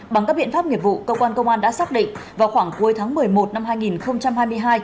bằng các biện pháp nghiệp vụ cơ quan công an đã xác định vào khoảng cuối tháng một mươi một năm hai nghìn hai mươi hai